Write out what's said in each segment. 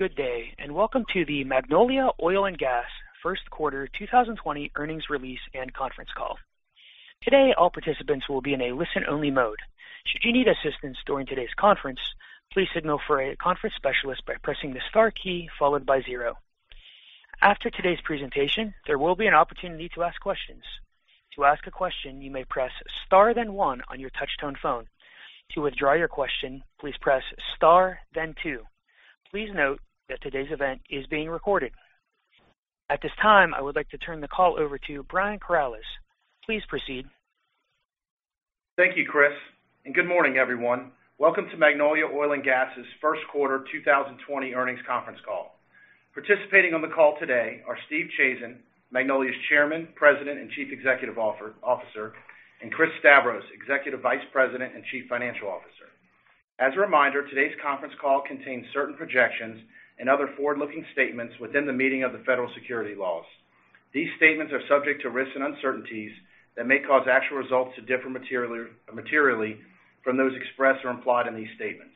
Good day, and welcome to the Magnolia Oil & Gas Q1 2020 earnings release and conference call. Today, all participants will be in a listen-only mode. Should you need assistance during today's conference, please signal for a conference specialist by pressing the star key followed by zero. After today's presentation, there will be an opportunity to ask questions. To ask a question, you may press star then one on your touch-tone phone. To withdraw your question, please press star then two. Please note that today's event is being recorded. At this time, I would like to turn the call over to Brian Corales. Please proceed. Thank you, Christopher. Good morning, everyone. Welcome to Magnolia Oil & Gas' Q1 2020 earnings conference call. Participating on the call today are Steve Chazen, Magnolia's Chairman, President, and Chief Executive Officer, and Christopher Stavros, Executive Vice President and Chief Financial Officer. As a reminder, today's conference call contains certain projections and other forward-looking statements within the meaning of the federal securities laws. These statements are subject to risks and uncertainties that may cause actual results to differ materially from those expressed or implied in these statements.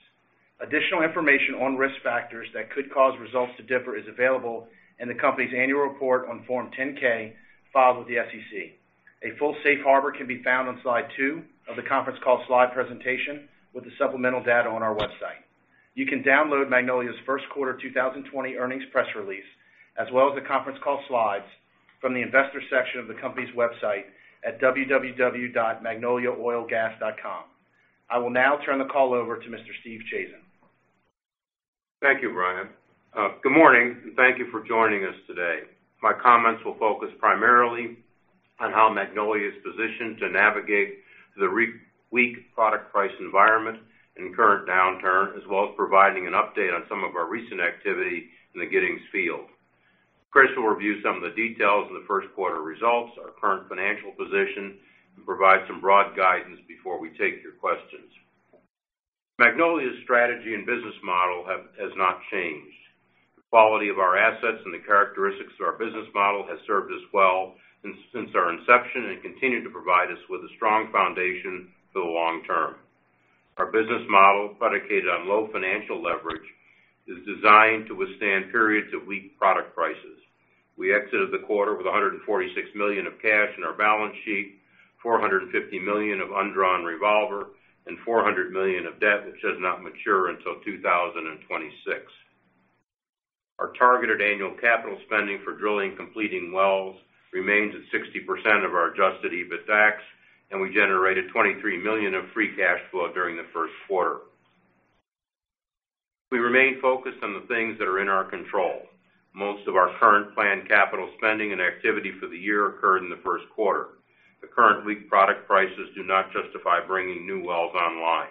Additional information on risk factors that could cause results to differ is available in the company's annual report on Form 10-K filed with the SEC. A full safe harbor can be found on slide two of the conference call slide presentation with the supplemental data on our website. You can download Magnolia's Q1 2020 earnings press release, as well as the conference call slides from the investor section of the company's website at www.magnoliaoilgas.com. I will now turn the call over to Mr. Steve Chazen. Thank you, Brian. Good morning and thank you for joining us today. My comments will focus primarily on how Magnolia is positioned to navigate the weak product price environment and current downturn, as well as providing an update on some of our recent activity in the Giddings field. Christopher will review some of the details of the Q1 results, our current financial position, and provide some broad guidance before we take your questions. Magnolia's strategy and business model has not changed. The quality of our assets and the characteristics of our business model has served us well since our inception and continue to provide us with a strong foundation for the long term. Our business model, predicated on low financial leverage, is designed to withstand periods of weak product prices. We exited the quarter with $146 million of cash in our balance sheet, $450 million of undrawn revolver, and $400 million of debt, which does not mature until 2026. Our targeted annual capital spending for drilling and completing wells remains at 60% of our adjusted EBITDAX, and we generated $23 million of free cash flow during the Q1. We remain focused on the things that are in our control. Most of our current planned capital spending and activity for the year occurred in the Q1. The current weak product prices do not justify bringing new wells online.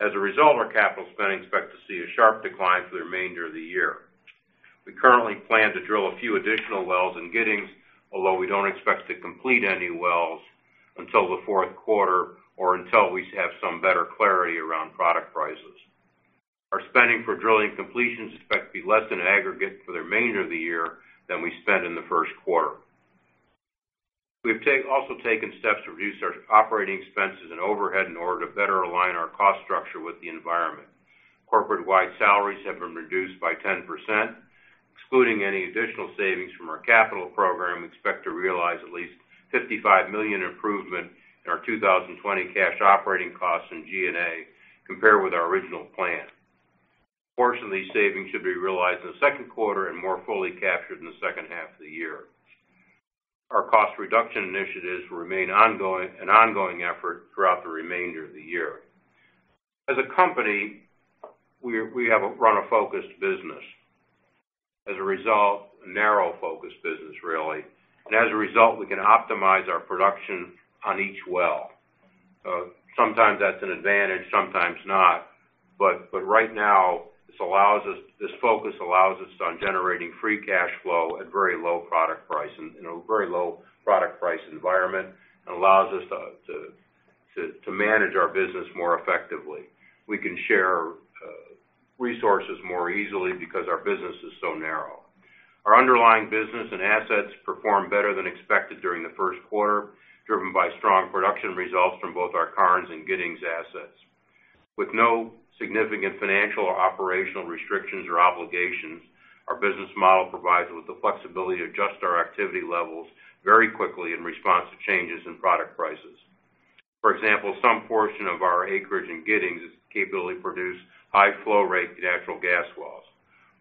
As a result, our capital spending is expected to see a sharp decline for the remainder of the year. We currently plan to drill a few additional wells in Giddings, although we don't expect to complete any wells until the Q4 or until we have some better clarity around product prices. Our spending for drilling completions is expected to be less in aggregate for the remainder of the year than we spent in the Q1. We've also taken steps to reduce our operating expenses and overhead in order to better align our cost structure with the environment. Corporate-wide salaries have been reduced by 10%. Excluding any additional savings from our capital program, we expect to realize at least a $55 million improvement in our 2020 cash operating costs in G&A compared with our original plan. A portion of these savings should be realized in the Q2 and more fully captured in the second half of the year. Our cost reduction initiatives will remain an ongoing effort throughout the remainder of the year. As a company, we run a focused business. A narrow focused business, really, and as a result, we can optimize our production on each well. Sometimes that's an advantage, sometimes not, but right now, This focus allows us on generating free cash flow at very low product price in a very low product price environment, and allows us to manage our business more effectively. We can share resources more easily because our business is so narrow. Our underlying business and assets performed better than expected during the Q1, driven by strong production results from both our Karnes and Giddings assets. With no significant financial or operational restrictions or obligations, our business model provides us with the flexibility to adjust our activity levels very quickly in response to changes in product prices. For example, some portion of our acreage in Giddings is capable of producing high flow rate natural gas wells.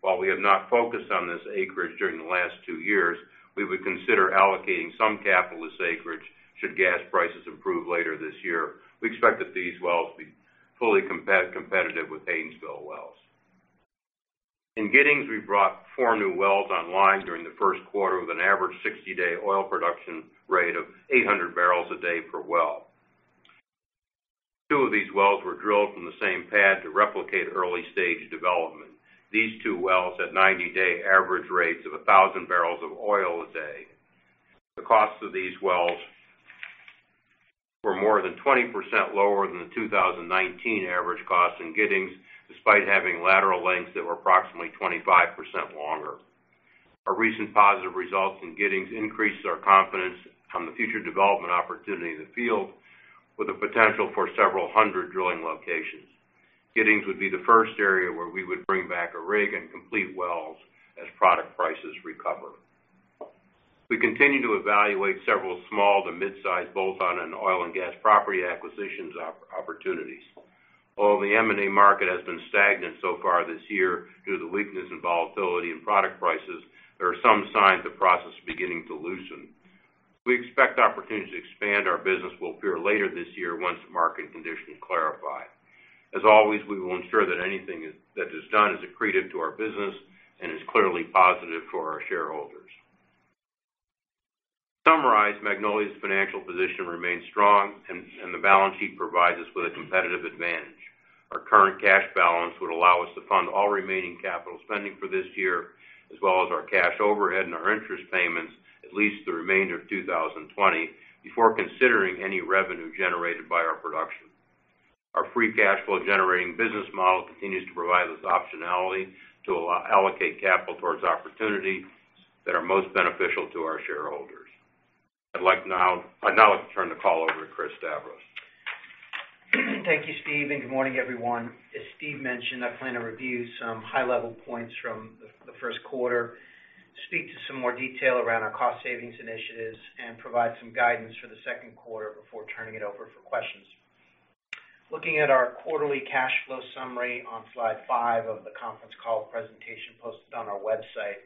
While we have not focused on this acreage during the last two years, we would consider allocating some capital to this acreage should gas prices improve later this year. We expect that these wells will be fully competitive with Haynesville wells. In Giddings, we brought four new wells online during the Q1 with an average 60-day oil production rate of 800 barrels a day per well. Two of these wells were drilled from the same pad to replicate early-stage development. These two wells had 90-day average rates of 1,000 barrels of oil a day. The cost of these wells were more than 20% lower than the 2019 average cost in Giddings, despite having lateral lengths that were approximately 25% longer. Our recent positive results in Giddings increases our confidence on the future development opportunity in the field with the potential for several hundred drilling locations. Giddings would be the first area where we would bring back a rig and complete wells as product prices recover. We continue to evaluate several small to mid-size bolt-on and oil and gas property acquisitions opportunities. While the M&A market has been stagnant so far this year due to the weakness and volatility in product prices, there are some signs the process is beginning to loosen. We expect opportunities to expand our business will appear later this year once the market conditions clarify. As always, we will ensure that anything that is done is accretive to our business and is clearly positive for our shareholders. To summarize, Magnolia's financial position remains strong, and the balance sheet provides us with a competitive advantage. Our current cash balance would allow us to fund all remaining capital spending for this year, As well as our cash overhead and our interest payments, at least the remainder of 2020, before considering any revenue generated by our production. Our free cash flow generating business model continues to provide us optionality to allocate capital towards opportunities that are most beneficial to our shareholders. I'd now like to turn the call over to Christopher Stavros. Thank you, Steve. Good morning, everyone. As Steve mentioned, I plan to review some high-level points from the Q1, speak to some more detail around our cost savings initiatives, and provide some guidance for the Q2 before turning it over for questions. Looking at our quarterly cash flow summary on slide five of the conference call presentation posted on our website,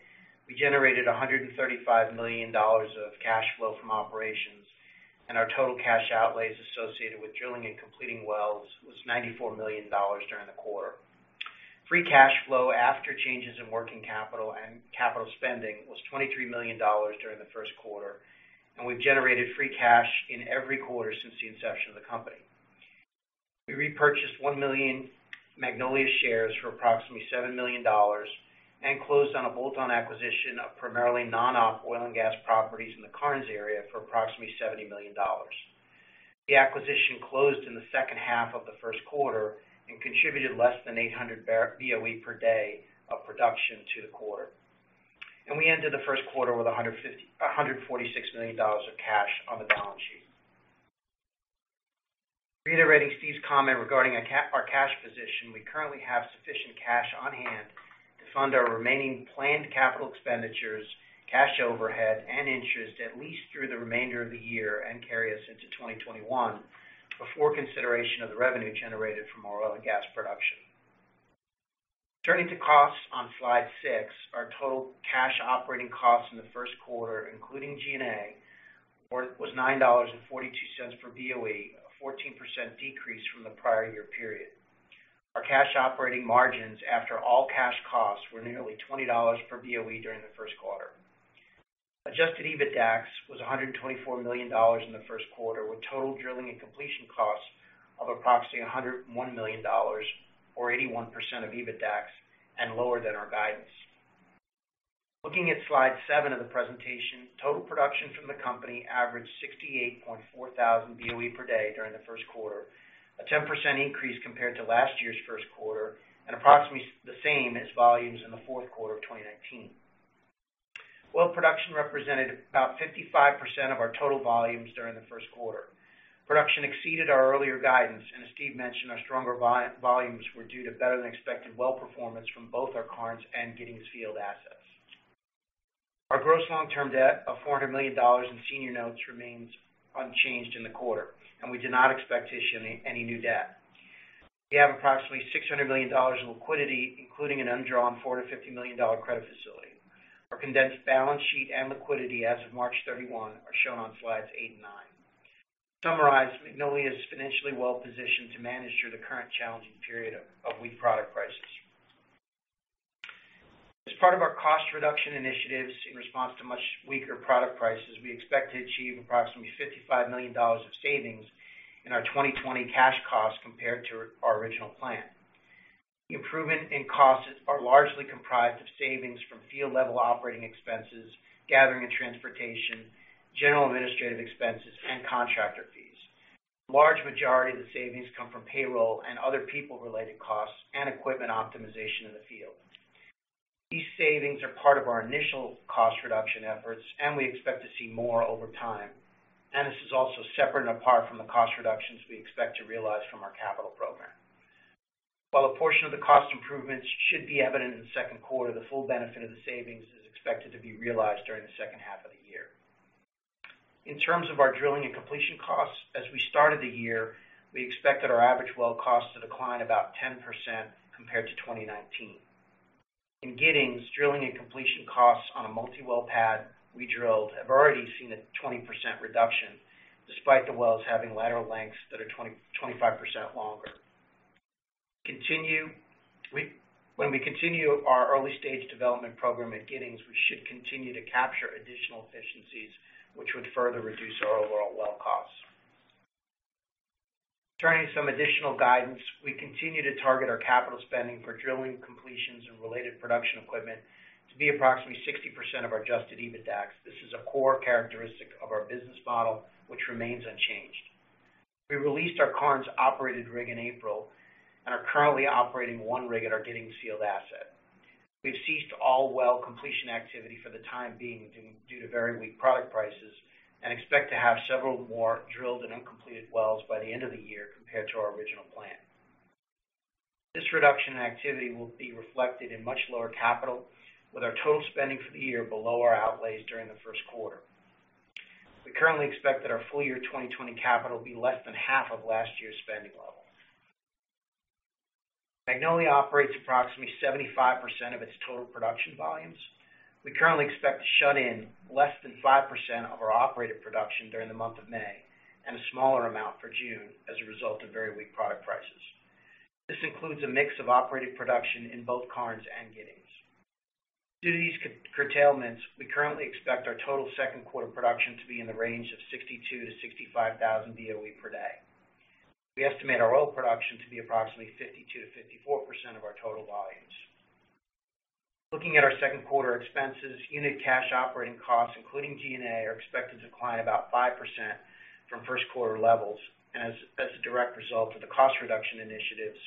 we generated $135 million of cash flow from operations, and our total cash outlays associated with drilling and completing wells was $94 million during the quarter. Free cash flow after changes in working capital and capital spending was $23 million during the Q1, and we've generated free cash in every quarter since the inception of the company. We repurchased 1 million Magnolia shares for approximately $7 million and closed on a bolt-on acquisition of primarily non-op oil and gas properties in the Karnes area for approximately $70 million. The acquisition closed in the second half of the Q1 and contributed less than 800 BOE per day of production to the quarter. We ended the Q1 with $146 million of cash on the balance sheet. Reiterating Steve's comment regarding our cash position, we currently have sufficient cash on hand to fund our remaining planned capital expenditures, Cash overhead, and interest at least through the remainder of the year and carry us into 2021 before consideration of the revenue generated from our oil and gas production. Turning to costs on slide six, our total cash operating costs in the Q1, including G&A, was $9.42 per BOE, a 14% decrease from the prior year period. Our cash operating margins after all cash costs were nearly $20 per BOE during the Q1. Adjusted EBITDAX was $124 million in the Q1, with total drilling and completion costs of approximately $101 million, or 81% of EBITDAX, and lower than our guidance. Looking at slide seven of the presentation, total production from the company averaged 68,400 BOE per day during the Q1, A 10% increase compared to last year's Q1, and approximately the same as volumes in the Q4 of 2019. Oil production represented about 55% of our total volumes during the Q1. Production exceeded our earlier guidance, and as Steve mentioned, our stronger volumes were due to better-than-expected well performance from both our Karnes and Giddings Field assets. Our gross long-term debt of $400 million in senior notes remains unchanged in the quarter. We do not expect to issue any new debt. We have approximately $600 million in liquidity, including an undrawn $450 million credit facility. Our condensed balance sheet and liquidity as of March 31st are shown on slides eight and nine. To summarize, Magnolia is financially well positioned to manage through the current challenging period of weak product prices. As part of our cost reduction initiatives in response to much weaker product prices, we expect to achieve approximately $55 million of savings in our 2020 cash costs compared to our original plan. The improvement in costs are largely comprised of savings from field-level operating expenses, gathering and transportation, general administrative expenses, and contractor fees. A large majority of the savings come from payroll and other people-related costs and equipment optimization in the field. These savings are part of our initial cost reduction efforts, and we expect to see more over time, and this is also separate and apart from the cost reductions we expect to realize from our capital program. While a portion of the cost improvements should be evident in the Q2, The full benefit of the savings is expected to be realized during the second half of the year. In terms of our drilling and completion costs, as we started the year, we expected our average well costs to decline about 10% compared to 2019. In Giddings, drilling and completion costs on a multi-well pad we drilled have already seen a 20% reduction despite the wells having lateral lengths that are 25% longer. When we continue our early-stage development program at Giddings, we should continue to capture additional efficiencies, which would further reduce our overall well costs. Turning to some additional guidance, we continue to target our capital spending for drilling completions and related production equipment to be approximately 60% of our adjusted EBITDAX. This is a core characteristic of our business model, which remains unchanged. We released our Karnes operated rig in April, and are currently operating 1 rig at our Giddings field asset. We've ceased all well completion activity for the time being due to very weak product prices, and expect to have several more drilled and uncompleted wells by the end of the year compared to our original plan. This reduction in activity will be reflected in much lower capital, with our total spending for the year below our outlays during the Q1. We currently expect that our full year 2020 capital will be less than half of last year's spending level. Magnolia operates approximately 75% of its total production volumes. We currently expect to shut in less than 5% of our operated production during the month of May, and a smaller amount for June as a result of very weak product prices. This includes a mix of operated production in both Karnes and Giddings. Due to these curtailments, we currently expect our total Q2 production to be in the range of 62,000-65,000 BOE per day. We estimate our oil production to be approximately 52%-54% of our total volumes. Looking at our Q2 expenses, unit cash operating costs, including G&A, are expected to decline about 5% from Q1 levels and as a direct result of the cost reduction initiatives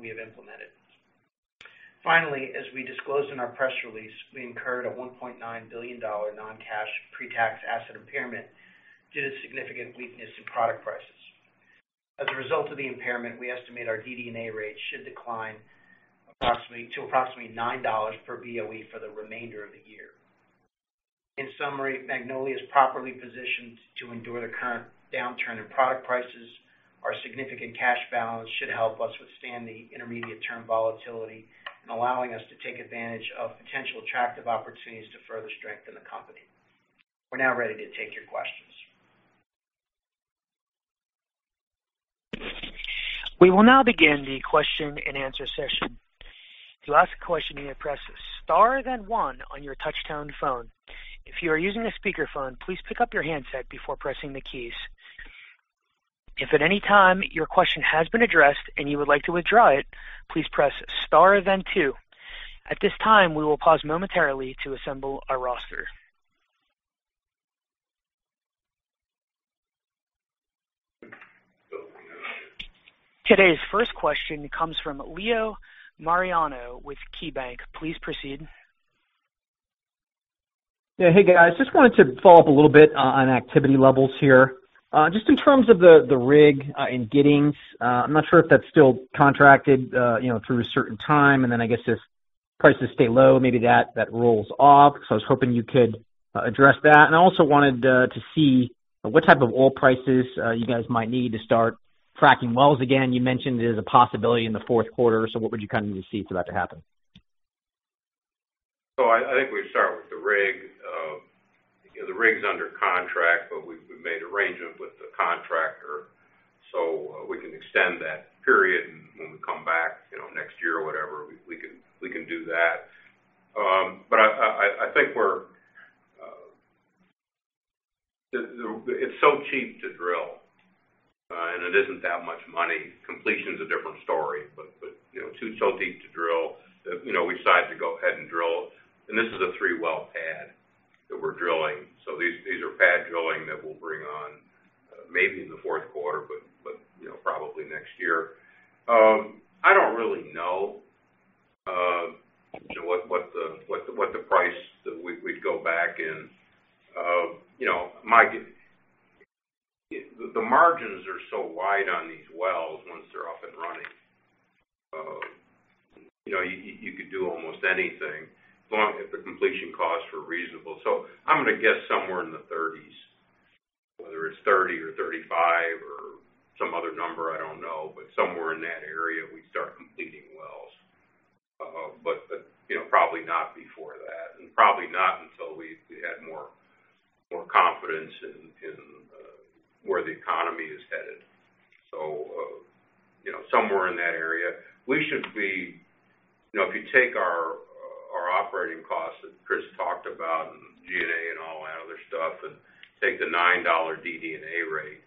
we have implemented. Finally, as we disclosed in our press release, we incurred a $1.9 billion non-cash pre-tax asset impairment due to significant weakness in product prices. As a result of the impairment, we estimate our DD&A rate should decline to approximately $9 per BOE for the remainder of the year. In summary, Magnolia is properly positioned to endure the current downturn in product prices. Our significant cash balance should help us withstand the intermediate term volatility in allowing us to take advantage of potential attractive opportunities to further strengthen the company. We're now ready to take your questions. We will now begin the question and answer session. To ask a question, you press star then one on your touchtone phone. If you are using a speakerphone, please pick up your handset before pressing the keys. If at any time your question has been addressed and you would like to withdraw it, please press star then two. At this time, we will pause momentarily to assemble our roster. Today's first question comes from Leo Mariani with KeyBanc Capital Markets. Please proceed. Yeah. Hey, guys. Just wanted to follow up a little bit on activity levels here. Just in terms of the rig in Giddings, I'm not sure if that's still contracted through a certain time, and then I guess if prices stay low, maybe that rolls off. I was hoping you could address that. I also wanted to see what type of oil prices you guys might need to start fracking wells again. You mentioned there's a possibility in the Q4, so what would you need to see for that to happen? I think we start with the rig. The rig's under contract, but we've made arrangements with the contractor so we can extend that period. When we come back next year or whatever, we can do that. I think it's so cheap to drill, and it isn't that much money. Completion's a different story, but it's so cheap to drill that we decided to go ahead and drill. This is a three-well pad that we're drilling. These are pad drilling that we'll bring on maybe in the Q4, but probably next year. I don't really know what the price that we'd go back in. The margins are so wide on these wells once they're up and running. You could do almost anything as long as the completion costs were reasonable. I'm going to guess somewhere in the 30s. Whether it's 30 or 35 or some other number, I don't know, but somewhere in that area, we'd start completing wells. Probably not before that, and probably not until we had more confidence in where the economy is headed. Somewhere in that area. If you take our operating costs that Christopher talked about, and G&A and all that other stuff, and take the $9 DD&A rate,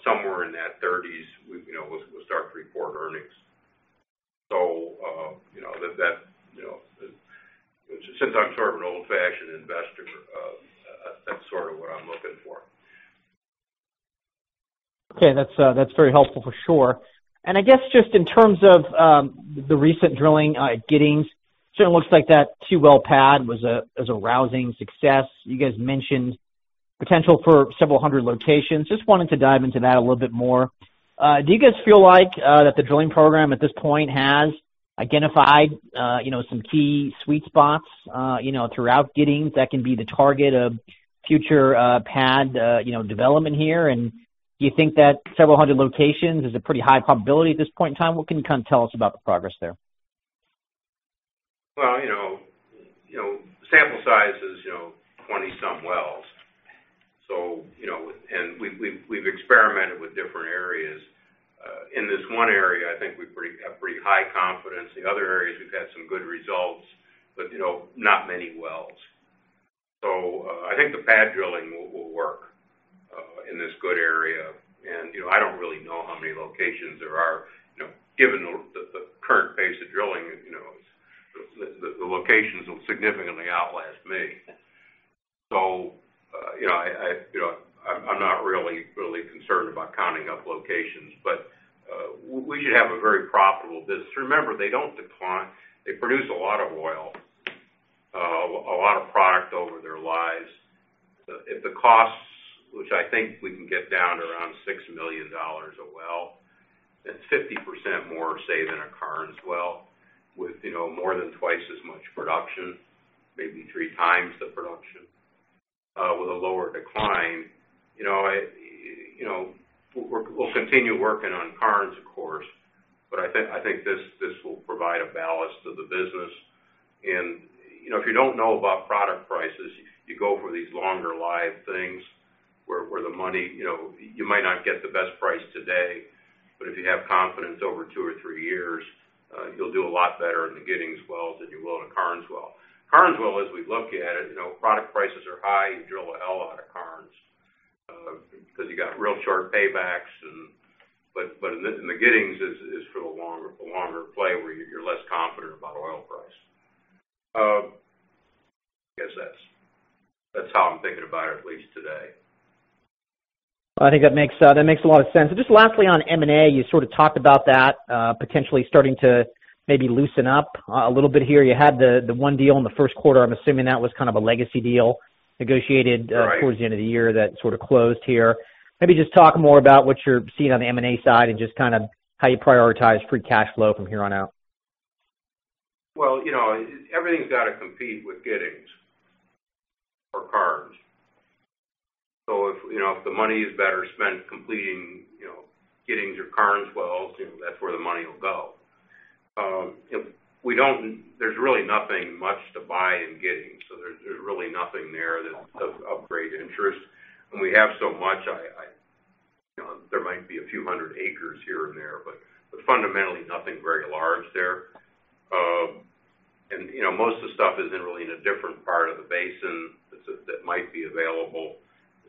somewhere in that 30s, we'll start to report earnings. Since I'm sort of an old-fashioned investor, that's sort of what I'm looking for. Okay. That's very helpful for sure. I guess just in terms of the recent drilling at Giddings, certainly looks like that two-well pad was a rousing success. You guys mentioned potential for several hundred locations. Just wanted to dive into that a little bit more. Do you guys feel like that the drilling program at this point has identified some key sweet spots throughout Giddings that can be the target of future pad development here? Do you think that several hundred locations is a pretty high probability at this point in time? What can you tell us about the progress there? Well, sample size is 20-some wells. We've experimented with different areas. In this one area, I think we've got pretty high confidence. The other areas, we've had some good results but not many wells. I think the pad drilling will work in this good area. I don't really know how many locations there are. Given the current pace of drilling, it's. The locations will significantly outlast me. I'm not really concerned about counting up locations. We should have a very profitable business. Remember, they don't decline. They produce a lot of oil, a lot of product over their lives. If the costs, which I think we can get down to around $6 million a well, that's 50% more, say, than a Karnes well, with more than twice as much production, maybe 3x the production, with a lower decline. We'll continue working on Karnes, of course, but I think this will provide a ballast to the business. If you don't know about product prices, you go for these longer live things where the money You might not get the best price today, but if you have confidence over two or three years, you'll do a lot better in the Giddings wells than you will in a Karnes well. Karnes well, as we look at it, product prices are high. You drill a hell of a lot of Karnes, because you got real short paybacks. In the Giddings is for the longer play where you're less confident about oil price. I guess that's how I'm thinking about it, at least today. I think that makes a lot of sense. Just lastly, on M&A, you sort of talked about that potentially starting to maybe loosen up a little bit here. You had the one deal in the Q1. I'm assuming that was a legacy deal negotiated. Right. Towards the end of the year that sort of closed here. Maybe just talk more about what you're seeing on the M&A side and just how you prioritize free cash flow from here on out? Everything's got to compete with Giddings or Karnes. If the money is better spent completing Giddings or Karnes wells, that's where the money will go. There's really nothing much to buy in Giddings, so there's really nothing there that's of great interest. We have so much, there might be a few hundred acres here and there, but fundamentally, nothing very large there. Most of the stuff is in really in a different part of the basin that might be available,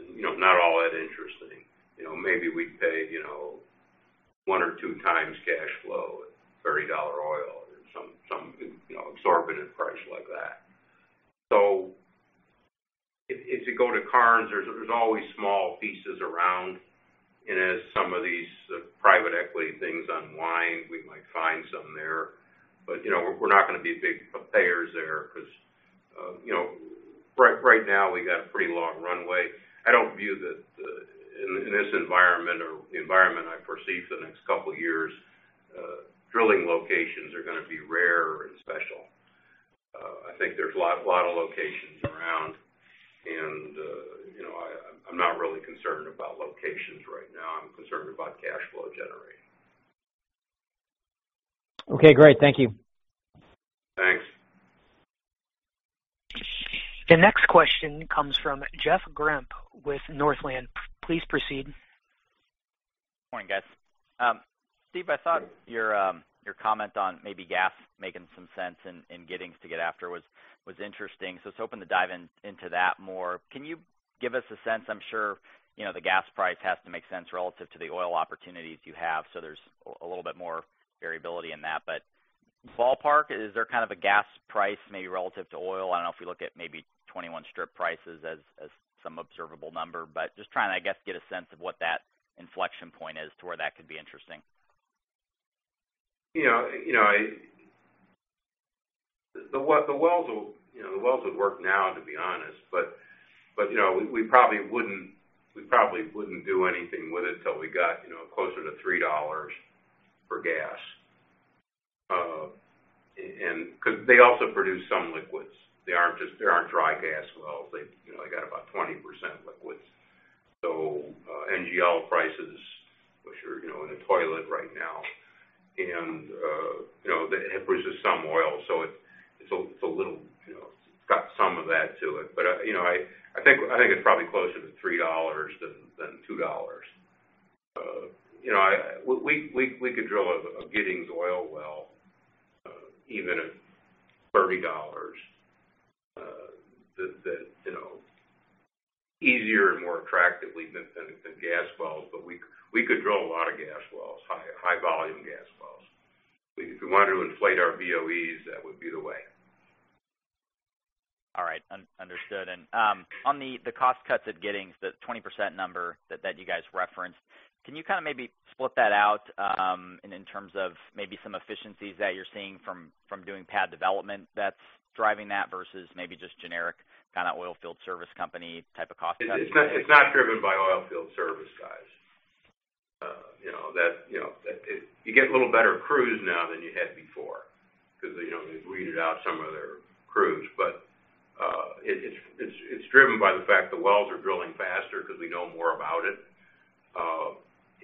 and not all that interesting. Maybe we'd pay one or 2x cash flow at $30 oil or some exorbitant price like that. If you go to Karnes, there's always small pieces around. As some of these private equity things unwind, we might find some there. We're not going to be big payers there because right now, we got a pretty long runway. I don't view that in this environment or the environment I foresee for the next couple of years, drilling locations are going to be rare and special. I think there's a lot of locations around, and I'm not really concerned about locations right now. I'm concerned about cash flow generation. Okay, great. Thank you. Thanks. The next question comes from Jeff Grampp with Northland. Please proceed. Morning, guys. Steve, I thought your comment on maybe gas making some sense in Giddings to get after was interesting. I was hoping to dive into that more. Can you give us a sense, I'm sure, the gas price has to make sense relative to the oil opportunities you have. There's a little bit more variability in that. Ballpark, is there a gas price maybe relative to oil? I don't know if you look at maybe 2021 strip prices as some observable number, but just trying to, I guess, get a sense of what that inflection point is to where that could be interesting. The wells would work now, to be honest, but we probably wouldn't do anything with it till we got closer to $3 for gas, because they also produce some liquids. They aren't dry gas wells. They got about 20% liquids. NGL prices, which are in the toilet right now, and it produces some oil, It's got some of that to it. I think it's probably closer to $3 than $2. We could drill a Giddings oil well, even at $30, easier and more attractively than gas wells, but we could drill a lot of gas wells, high volume gas wells. If we wanted to inflate our BOEs, that would be the way. All right. Understood. On the cost cuts at Giddings, the 20% number that you guys referenced, can you maybe split that out in terms of maybe some efficiencies that you're seeing from doing pad development that's driving that versus maybe just generic oil field service company type of cost cutting? It's not driven by oil field service guys. You get a little better crews now than you had before because they've weeded out some of their crews. It's driven by the fact the wells are drilling faster because we know more about it.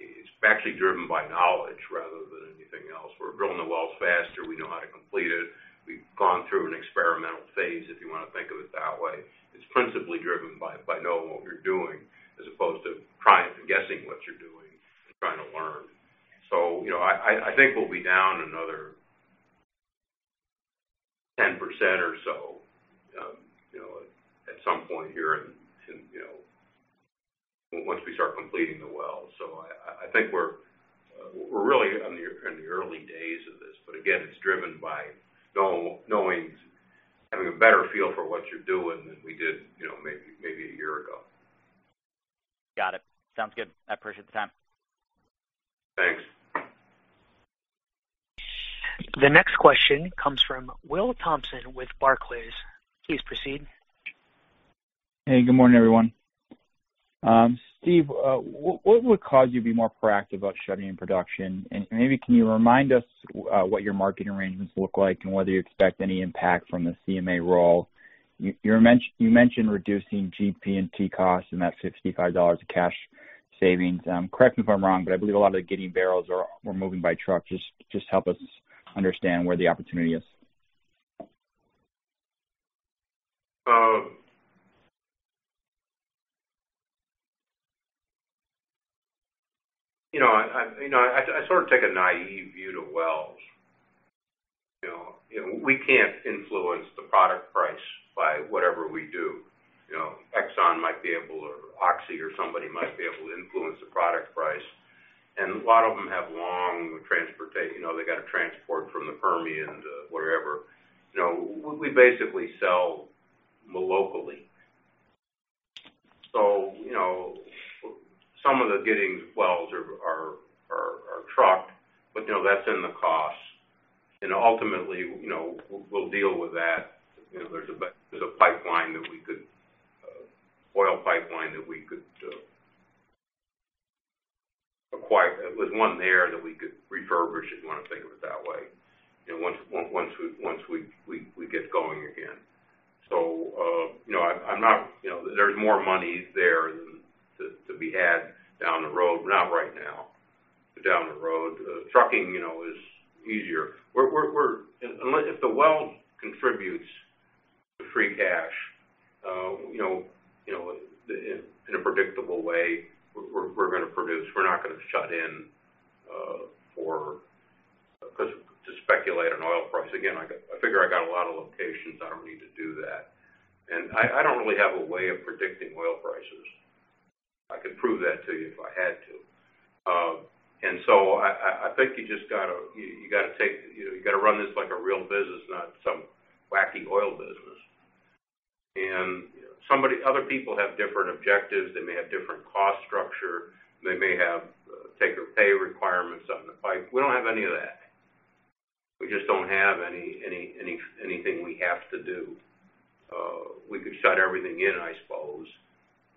It's actually driven by knowledge rather than anything else. We're drilling the wells faster. We know how to complete it. We've gone through an experimental phase, if you want to think of it that way. It's principally driven by knowing what you're doing as opposed to trying to guess what you're doing and trying to learn. I think we'll be down another 10%. Once we start completing the wells. I think we're really in the early days of this, but again, it's driven by knowing, having a better feel for what you're doing than we did maybe a year ago. Got it. Sounds good. I appreciate the time. Thanks. The next question comes from Will Thompson with Barclays. Please proceed. Good morning, everyone. Steve, what would cause you to be more proactive about shutting production? Maybe can you remind us what your marketing arrangements look like, and whether you expect any impact from the CMA roll? You mentioned reducing GP&T costs, and that's $55 of cash savings. Correct me if I'm wrong, but I believe a lot of the Giddings barrels were moving by truck. Just help us understand where the opportunity is. I sort of take a naive view to wells. We can't influence the product price by whatever we do. Exxon might be able or Oxy or somebody might be able to influence the product price. A lot of them have long transportation. They've got to transport from the Permian to wherever. We basically sell locally. Some of the Giddings wells are trucked, but that's in the cost, and ultimately, we'll deal with that. There's an oil pipeline that we could acquire. There's one there that we could refurbish, if you want to think of it that way, once we get going again. There's more money there to be had down the road. Not right now, but down the road. Trucking is easier. If the well contributes to free cash in a predictable way, we're going to produce. We're not going to shut in to speculate on oil price. Again, I figure I got a lot of locations, I don't need to do that. I don't really have a way of predicting oil prices. I could prove that to you if I had to. I think you've got to run this like a real business, not some wacky oil business. Other people have different objectives. They may have different cost structure. They may have take or pay requirements on the pipe. We don't have any of that. We just don't have anything we have to do. We could shut everything in, I suppose,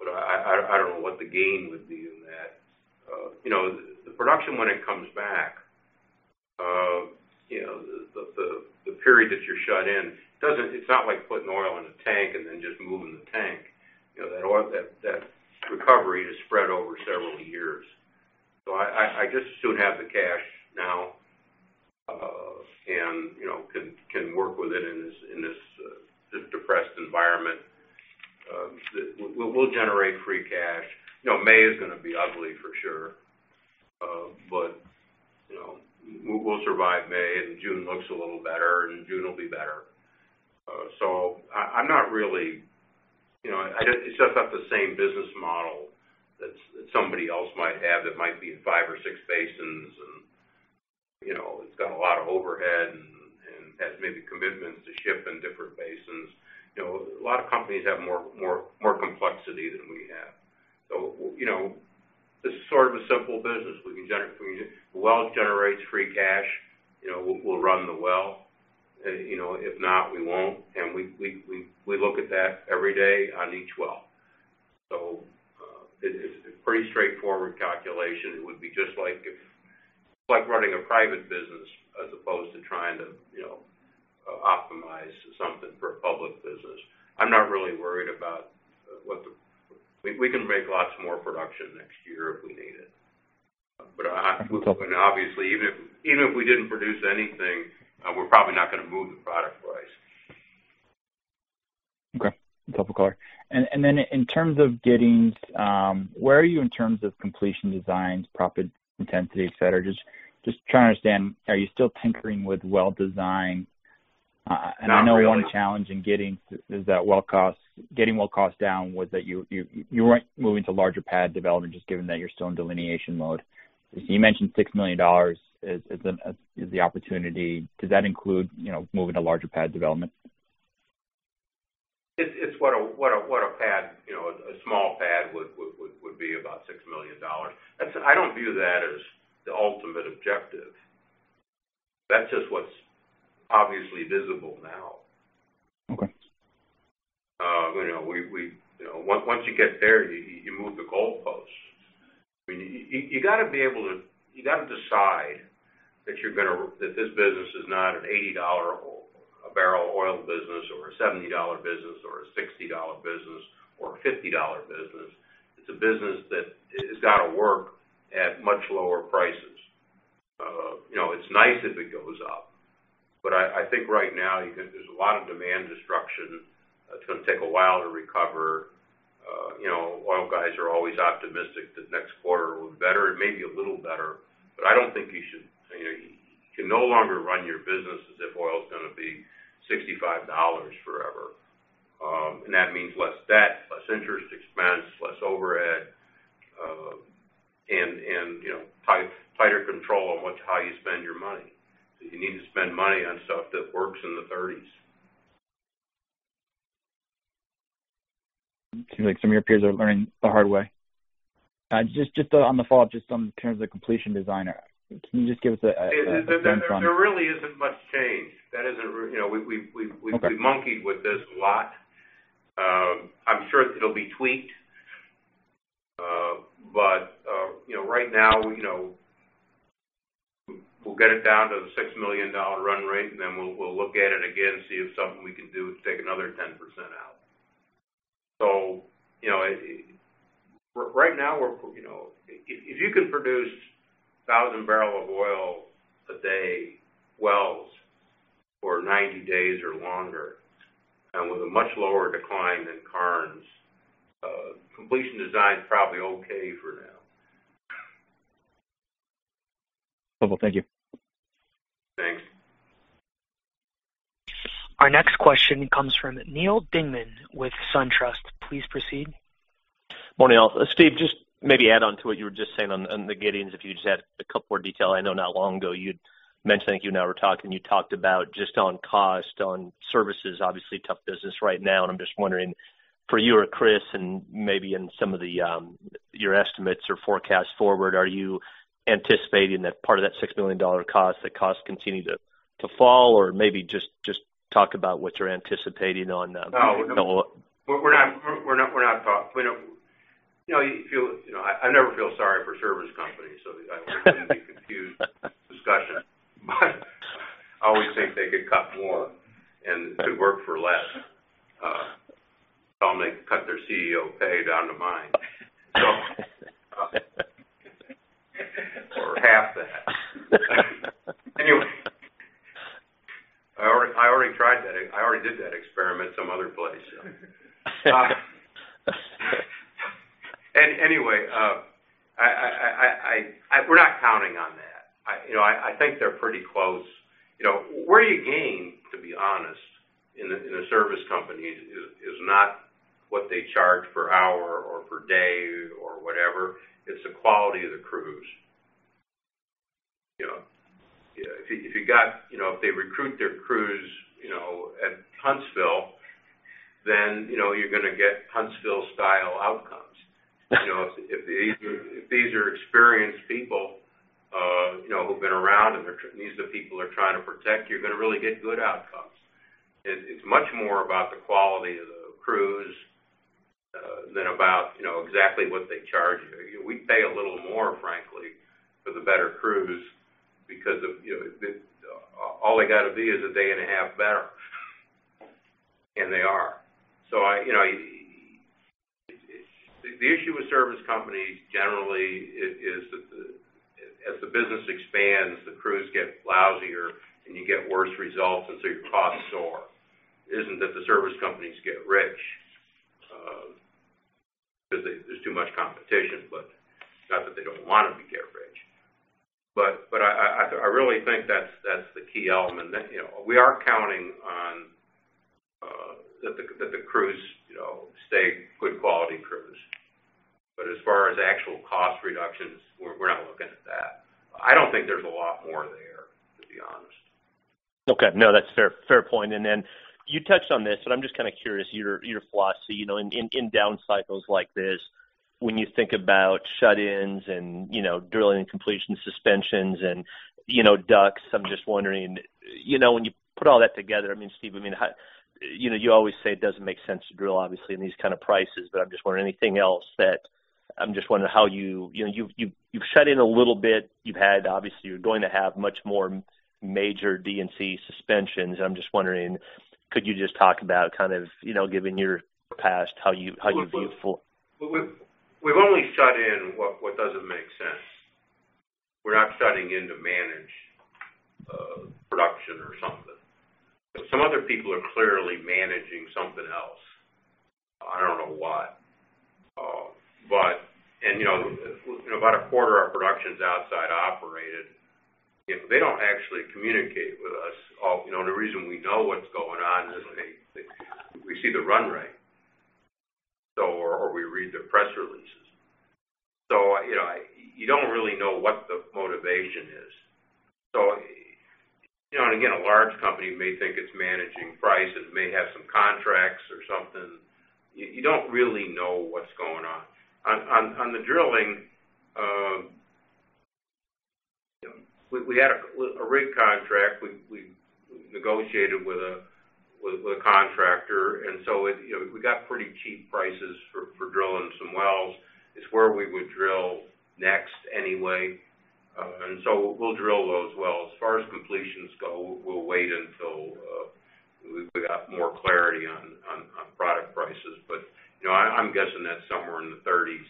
but I don't know what the gain would be in that. The production, when it comes back, the period that you're shut in, it's not like putting oil in a tank and then just moving the tank. That recovery is spread over several years. I'd just as soon have the cash now and can work with it in this depressed environment. We'll generate free cash. May is going to be ugly, for sure. We'll survive May, and June looks a little better, and June will be better. I'm not really It's just not the same business model that somebody else might have that might be in five or six basins and it's got a lot of overhead and has maybe commitments to ship in different basins. A lot of companies have more complexity than we have. This is sort of a simple business. If a well generates free cash, we'll run the well. If not, we won't. We look at that every day on each well. It's a pretty straightforward calculation. It would be just like running a private business as opposed to trying to optimize something for a public business. I'm not really worried about. We can make lots more production next year if we need it. Obviously, even if we didn't produce anything, we're probably not going to move the product price. Okay. Helpful color. In terms of Giddings, where are you in terms of completion designs, proppant intensity, et cetera? Just trying to understand, are you still tinkering with well design? Not really. I know one challenge in getting is that well costs, getting well cost down was that you weren't moving to larger pad development, just given that you're still in delineation mode. You mentioned $6 million is the opportunity. Does that include moving to larger pad development? It's what a small pad would be, about $6 million. I don't view that as the ultimate objective. That's just what's obviously visible now. Okay. Once you get there, you move the goalposts. You've got to decide that this business is not an $80-a-barrel oil business or a $70 business or a $60 business or a $50 business. It's a business that has got to work at much lower prices. It's nice if it goes up, but I think right now, there's a lot of demand destruction. It's going to take a while to recover. Oil guys are always optimistic. It may be a little better, but you can no longer run your business as if oil's going to be $65 forever. That means less debt, less interest expense, less overhead, and tighter control on how you spend your money. You need to spend money on stuff that works in the 30s. It seems like some of your peers are learning the hard way. Just on the follow-up, just in terms of the completion design, can you just give us a frame? There really isn't much change. Okay. We've monkeyed with this a lot. I'm sure it'll be tweaked. Right now, we'll get it down to the $6 million run rate, and then we'll look at it again, see if something we can do to take another 10% out. Right now, if you can produce 1,000 barrel of oil a day wells for 90 days or longer, with a much lower decline than Karnes, completion design's probably okay for now. Okay. Thank you. Thanks. Our next question comes from Neal Dingmann with SunTrust. Please proceed. Morning. Steve, just maybe add on to what you were just saying on the Giddings, if you just add a couple more detail. I know not long ago you'd mentioned, I think you and I were talking, you talked about just on cost, on services, obviously tough business right now. I'm just wondering for you or Christopher and maybe in some of your estimates or forecasts forward, are you anticipating that part of that $6 million cost, that cost continue to fall or maybe just talk about what you're anticipating. No. We're not. I never feel sorry for service companies, so I don't want you to be confused in this discussion, but I always think they could cut more and could work for less. Tell them they cut their CEO pay down to mine. Half that. Anyway. I already tried that. I already did that experiment some other place. Anyway, we're not counting on that. I think they're pretty close. Where you gain, to be honest, in a service company is not what they charge per hour or per day or whatever. It's the quality of the crews. If they recruit their crews at Huntsville, then you're gonna get Huntsville-style outcomes. If these are experienced people who've been around, and these are the people they're trying to protect, you're gonna really get good outcomes. It's much more about the quality of the crews than about exactly what they charge you. We pay a little more, frankly, for the better crews because all they got to be is a day and a half better, and they are. The issue with service companies generally is that as the business expands, the crews get lousier and you get worse results and so your costs soar. It isn't that the service companies get rich, because there's too much competition, but not that they don't want to get rich. I really think that's the key element. We are counting on that the crews stay good quality crews. As far as actual cost reductions, we're not looking at that. I don't think there's a lot more there, to be honest. Okay. No, that's a fair point. Then you touched on this, but I'm just curious your philosophy, in down cycles like this, when you think about shut-ins and drilling and completion suspensions and DUCs, I'm just wondering, when you put all that together, Steve, you always say it doesn't make sense to drill obviously in these kind of prices, but I'm just wondering anything else that I'm just wondering how you've shut in a little bit. You're going to have much more major D&C suspensions. I'm just wondering, could you just talk about giving your past, how you view for- We've only shut in what doesn't make sense. We're not shutting in to manage production or something. Some other people are clearly managing something else. I don't know what. About a quarter of our production's outside-operated. They don't actually communicate with us. The reason we know what's going on is we see the run rate. We read their press releases. You don't really know what the motivation is. Again, a large company may think it's managing price. It may have some contracts or something. You don't really know what's going on. On the drilling, we had a rig contract. We negotiated with a contractor, and so we got pretty cheap prices for drilling some wells. It's where we would drill next anyway. We'll drill those wells. As far as completions go, we'll wait until we got more clarity on product prices. I'm guessing that's somewhere in the 30s.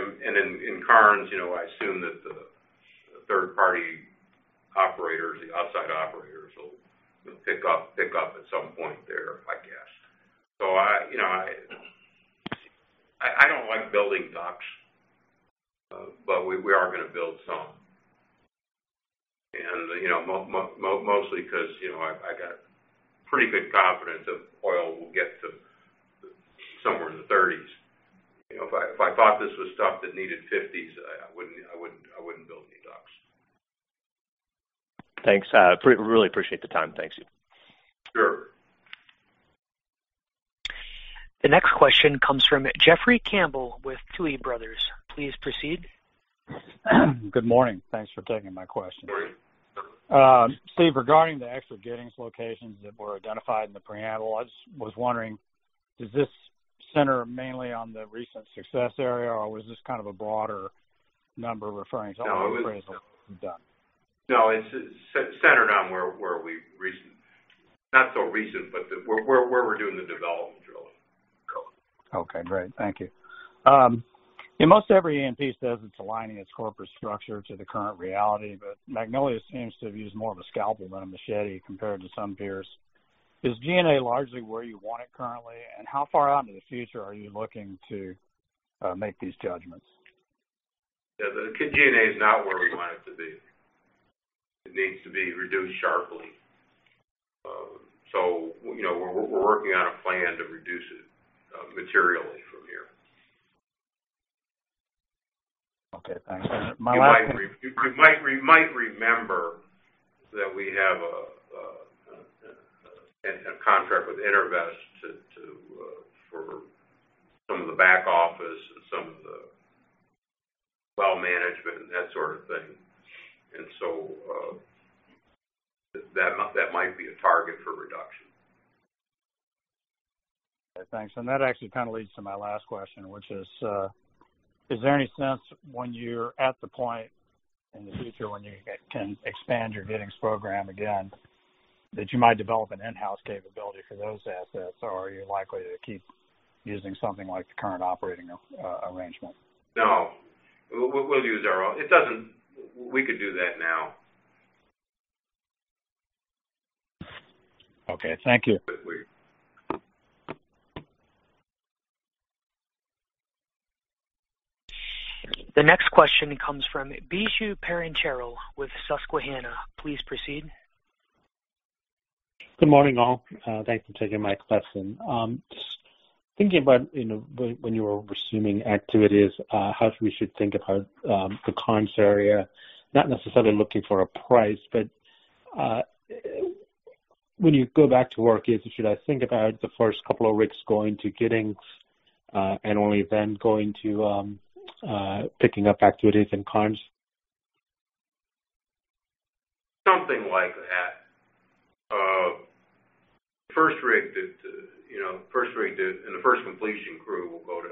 Then in Karnes, I assume that the third-party operators, the outside operators will pick up at some point there, I guess. I don't like building DUCs, but we are going to build some. Mostly because I got pretty good confidence that oil will get to somewhere in the 30s. If I thought this was stuff that needed 50s, I wouldn't build any DUCs. Thanks. Really appreciate the time. Thanks. Sure. The next question comes from Jeffrey Campbell with Tuohy Brothers. Please proceed. Good morning. Thanks for taking my question. Great. Steve, regarding the extra Giddings locations that were identified in the pre-analysis, I was wondering, does this center mainly on the recent success area, or was this kind of a broader number referring to? No. Appraisal done? No, it's centered on where we Not so recent, but where we're doing the development drilling going. Okay, great. Thank you. Most every E&P says it's aligning its corporate structure to the current reality. Magnolia seems to have used more of a scalpel than a machete compared to some peers. Is G&A largely where you want it currently? How far out into the future are you looking to make these judgments? Yeah. G&A is not where we want it to be. It needs to be reduced sharply. We're working on a plan to reduce it materially from here. Okay, thanks. My last, You might remember that we have a contract with EnerVest for some of the back office and some of the well management and that sort of thing. That might be a target for reduction. Okay, thanks. That actually kind of leads to my last question, which is: Is there any sense when you're at the point in the future when you can expand your Giddings program again, that you might develop an in-house capability for those assets, or are you likely to keep using something like the current operating arrangement? No. We'll use our own. We could do that now. Okay, thank you. But we, The next question comes from Biju Perincheril with Susquehanna. Please proceed. Good morning, all. Thanks for taking my question. Thinking about when you were resuming activities, how we should think about the Karnes area, not necessarily looking for a price, but when you go back to work, should I think about the first couple of rigs going to Giddings, and only then going to picking up activities in Karnes? Something like that. First rig and the first completion crew will go to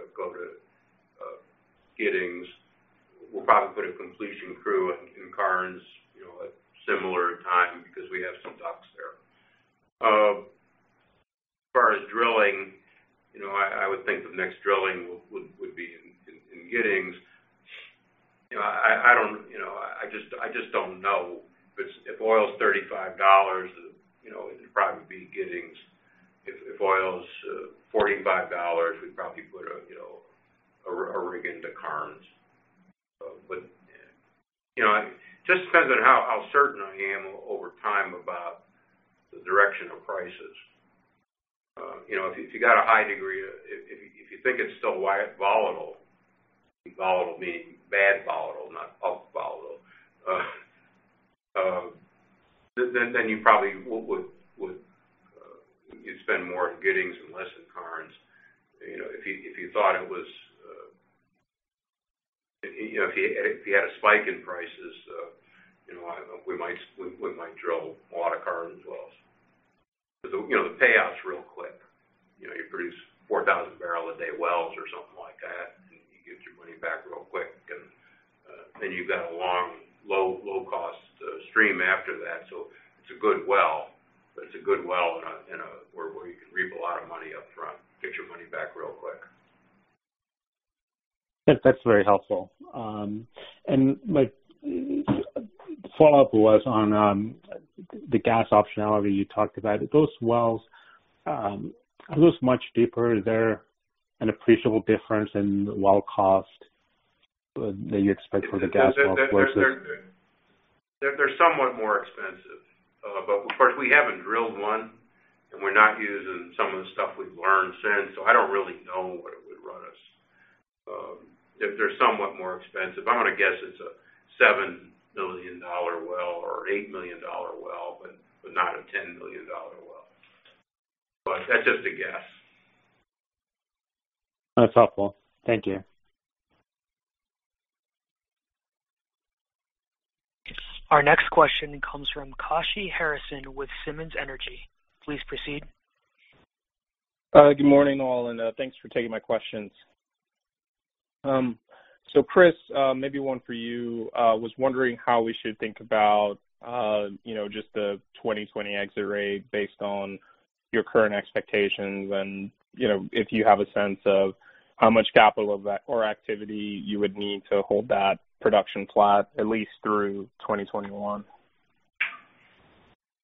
Giddings. We'll probably put a completion crew in Karnes at similar time because we have some DUCs there. As far as drilling, I would think the next drilling would be in Giddings. I just don't know. If oil's $35, it'd probably be Giddings. If oil's $45, we'd probably put a rig into Karnes. It just depends on how certain I am over time about the direction of prices. If you got a high degree, if you think it's still volatile meaning bad volatile, not up volatile, then you probably would spend more in Giddings and less in Karnes. If you had a spike in prices, we might drill a lot of Karnes wells. Because the payout's real quick. You produce 4,000 barrels a day wells or something like that, and you get your money back real quick. Then you've got a long, low cost stream after that. It's a good well, but it's a good well where you can reap a lot of money up front, get your money back real quick. That's very helpful. My follow-up was on the gas optionality you talked about. Those wells, are those much deeper? Is there an appreciable difference in well cost that you'd expect for the gas well versus? They're somewhat more expensive. Of course, we haven't drilled one, and we're not using some of the stuff we've learned since, so I don't really know what it would run us. They're somewhat more expensive. I'm going to guess it's a $7 million well or $8 million well, not a $10 million well. That's just a guess. That's helpful. Thank you. Our next question comes from Kashy Harrison with Simmons Energy. Please proceed. Good morning, all, thanks for taking my questions. Christopher, maybe one for you. I was wondering how we should think about just the 2020 exit rate based on your current expectations and if you have a sense of how much capital of that or activity you would need to hold that production flat at least through 2021.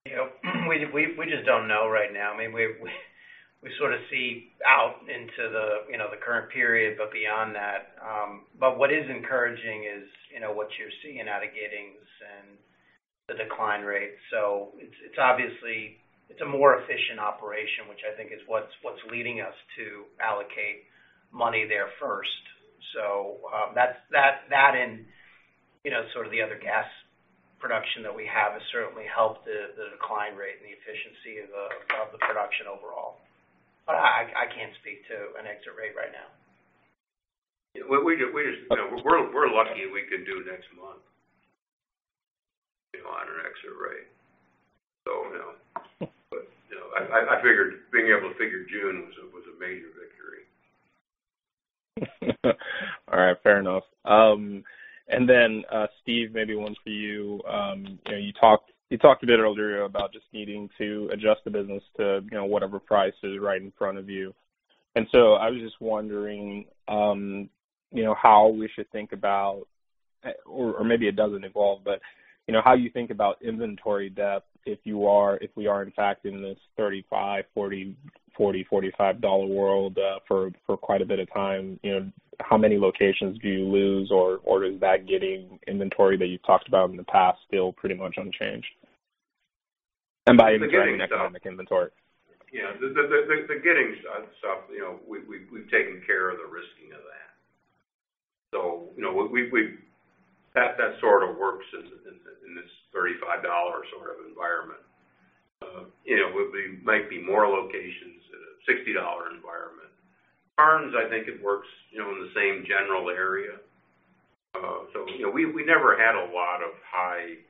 We just don't know right now. We sort of see out into the current period, but beyond that. What is encouraging is what you're seeing out of Giddings and the decline rate. It's a more efficient operation, which I think is what's leading us to allocate money there first. That and the other gas production that we have has certainly helped the decline rate and the efficiency of the production overall. I can't speak to an exit rate right now. We're lucky we can do next month on an exit rate. I figured being able to figure June was a major victory. All right. Fair enough. Then, Steve, maybe one for you. You talked a bit earlier about just needing to adjust the business to whatever price is right in front of you. So I was just wondering how we should think about Or maybe it doesn't involve, but how you think about inventory depth if we are, in fact, in this $35, $40, $45 world for quite a bit of time. How many locations do you lose or is that getting inventory that you've talked about in the past still pretty much unchanged? The Giddings stuff. I mean economic inventory. Yeah. The Giddings stuff, we've taken care of the risking of that. That sort of works in this $35 sort of environment. It might be more locations in a $60 environment. Karnes, I think it works in the same general area. We never had a lot of high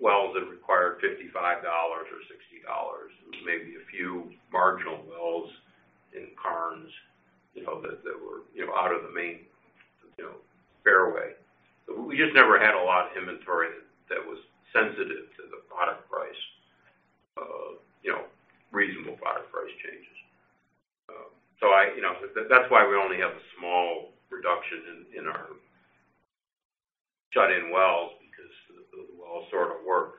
wells that required $55 or $60. It was maybe a few marginal wells in Karnes that were out of the main fairway. We just never had a lot of inventory that was sensitive to the product price, reasonable product price changes. That's why we only have a small reduction in our shut-in wells because the wells sort of work.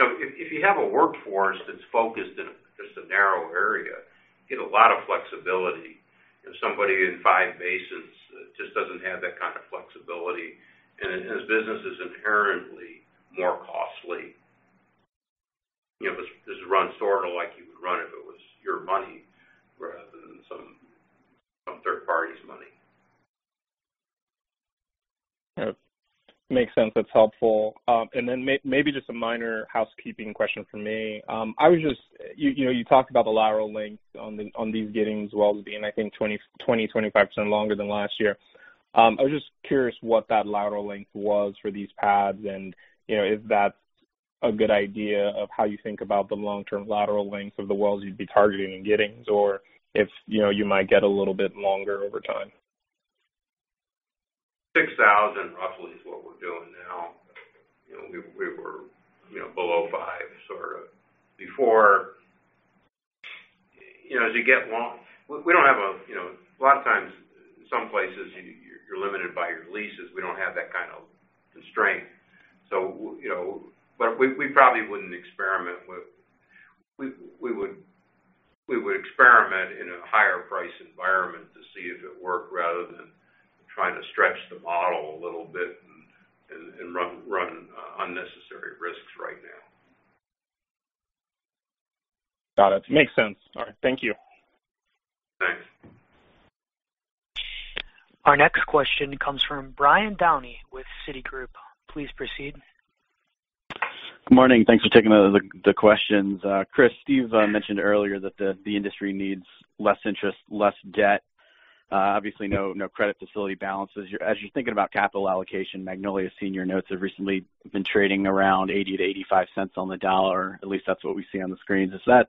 If you have a workforce that's focused in just a narrow area, you get a lot of flexibility. If somebody in five basins just doesn't have that kind of flexibility and his business is inherently more costly, just run sort of like you would run if it was your money rather than some third party's money. Makes sense. That's helpful. Then maybe just a minor housekeeping question from me. You talked about the lateral length on these Giddings wells being, I think, 20%, 25% longer than last year. I was just curious what that lateral length was for these pads and if that's a good idea of how you think about the long-term lateral lengths of the wells you'd be targeting in Giddings, or if you might get a little bit longer over time. 6,000 roughly is what we're doing now. We were below five sort of before. A lot of times, some places you're limited by your leases. We don't have that kind of constraint. We would experiment in a higher price environment to see if it worked rather than trying to stretch the model a little bit and run unnecessary risks right now. Got it. Makes sense. All right. Thank you. Thanks. Our next question comes from Brian Downey with Citigroup. Please proceed. Good morning. Thanks for taking the questions. Christopher, Steve mentioned earlier that the industry needs less interest, less debt, obviously no credit facility balances. As you're thinking about capital allocation, Magnolia senior notes have recently been trading around $0.80-$0.85 on the dollar. At least that's what we see on the screens. Is that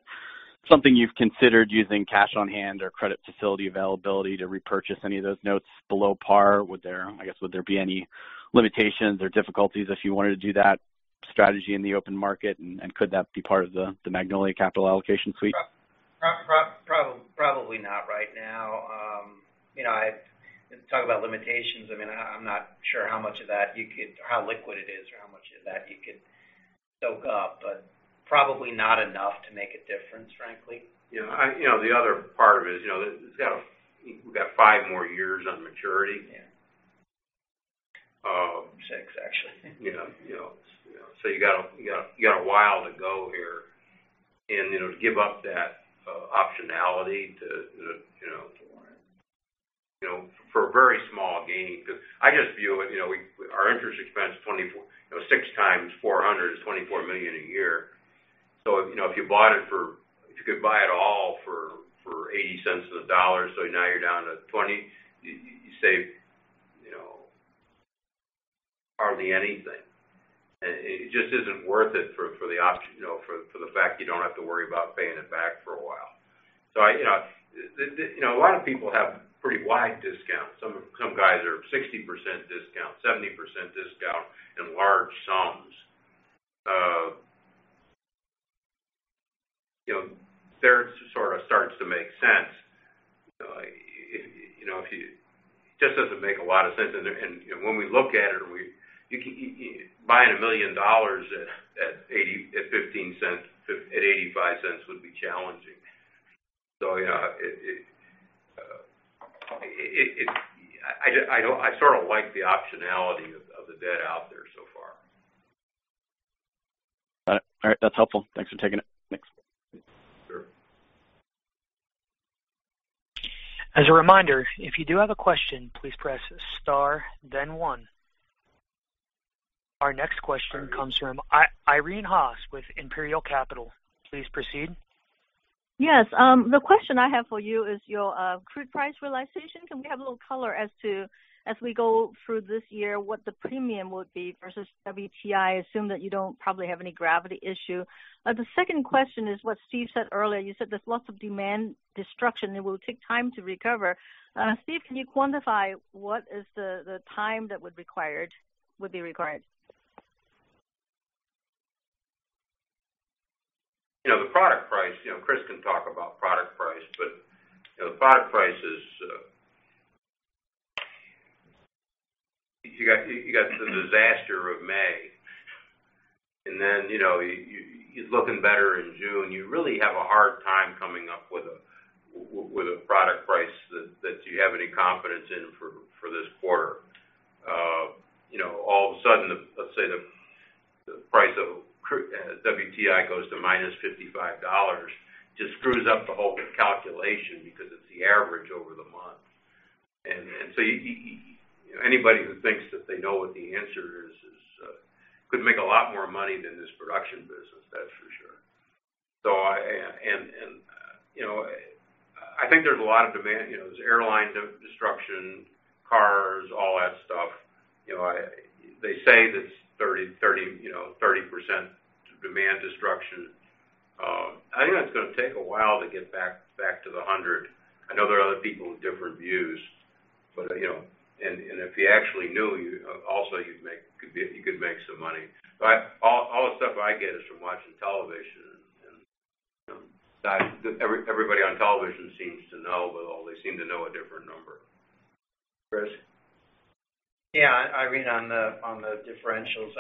something you've considered using cash on hand or credit facility availability to repurchase any of those notes below par? I guess, would there be any limitations or difficulties if you wanted to do that strategy in the open market, and could that be part of the Magnolia capital allocation suite? Probably not right now. To talk about limitations, I'm not sure how liquid it is or how much of that you could soak up, but probably not enough to make a difference, frankly. The other part of it is, we've got five more years on maturity. Yeah. Six, actually. You got a while to go here. To give up that optionality for a very small gain Because I just view it, our interest expense, 6x 400 is $24 million a year. If you could buy it all for $0.80 on the dollar, so now you're down to $20, you save hardly anything. It just isn't worth it for the fact you don't have to worry about paying it back for a while. A lot of people have pretty wide discounts. Some guys are 60% discount, 70% discount in large sums. It sort of starts to make sense. It just doesn't make a lot of sense. When we look at it, buying $1 million at $0.85 would be challenging. I sort of like the optionality of the debt out there so far. All right. That's helpful. Thanks for taking it. Thanks. Sure. As a reminder, if you do have a question, please press star then one. Our next question comes from Irene Haas with Imperial Capital. Please proceed. Yes. The question I have for you is your crude price realization. Can we have a little color as we go through this year what the premium would be versus WTI? I assume that you don't probably have any gravity issue. The second question is what Steve said earlier. You said there's lots of demand destruction, it will take time to recover. Steve, can you quantify what is the time that would be required? The product price, Christopher can talk about product price. The product price is you got the disaster of May, and then it's looking better in June. You really have a hard time coming up with a product price that you have any confidence in for this quarter. All of a sudden, let's say the price of WTI goes to -$55, just screws up the whole calculation because it's the average over the month. Anybody who thinks that they know what the answer is could make a lot more money than this production business, that's for sure. I think there's a lot of demand. There's airline destruction, cars, all that stuff. They say that it's 30% demand destruction. I think that's going to take a while to get back to the 100. I know there are other people with different views. If you actually knew, also you could make some money. All the stuff I get is from watching television, and everybody on television seems to know, but they seem to know a different number. Christopher? Yeah, Irene, on the differentials,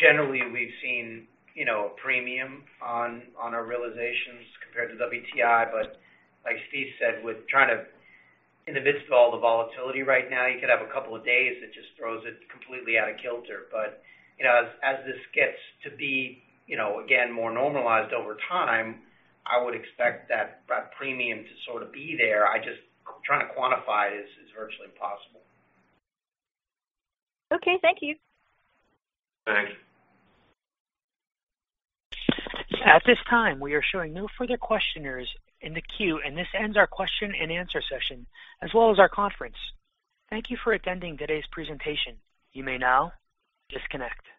generally we've seen a premium on our realizations compared to WTI. Like Steve said, in the midst of all the volatility right now, you could have a couple of days that just throws it completely out of kilter. As this gets to be, again, more normalized over time, I would expect that premium to sort of be there. Just trying to quantify it is virtually impossible. Okay. Thank you. Thanks. At this time, we are showing no further questioners in the queue, and this ends our question and answer session, as well as our conference. Thank you for attending today's presentation. You may now disconnect.